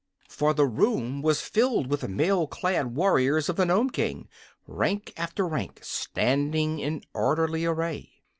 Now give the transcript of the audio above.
For the room was filled with the mail clad warriors of the Nome King, rank after rank standing in orderly array.